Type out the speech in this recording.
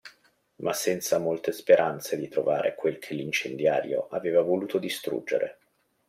Ma senza molte speranze di trovare quel che l'incendiario aveva voluto distruggere.